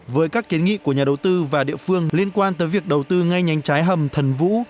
với các kiến nghị của nhà đầu tư và địa phương liên quan tới việc đầu tư ngay nhánh trái hầm thần vũ